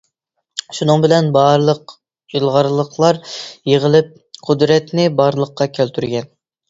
شۇنىڭ بىلەن بارلىق ئىلغارلىقلار يىغىلىپ قۇدرەتنى بارلىققا كەلتۈرگەن.